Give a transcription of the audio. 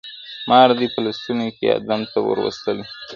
مار دي په لستوڼي کي آدم ته ور وستلی دی،